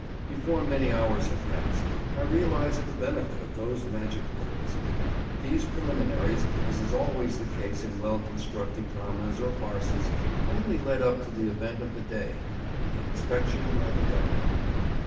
Before many hours had passed I realized the benefit of those magic words. These preliminaries, as is always the case in well constructed dramas or farces, only led up to the event of the day—the inspection by the Governor.